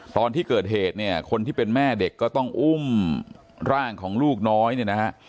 ตอนที่เกิดเหตุเนี่ยคนที่เป็นแม่เด็กก็ต้องอุ้มร่างของลูกน้อยเนี่ยนะฮะ